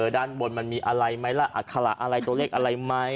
ด้านบนมันมีอะไรไหมล่ะอัคระอะไรตัวเลขอะไรไหม